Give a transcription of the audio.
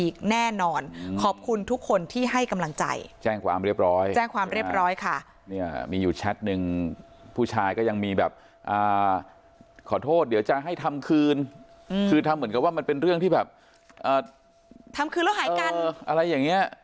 ขอโทษเดี๋ยวจะให้ทำคืนคือทำเหมือนกับว่ามันเป็นเรื่องที่แบบทำคืนแล้วหายกันอะไรอย่างเงี้ย